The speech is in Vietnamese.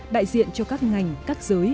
đại diện cho các ngành các giới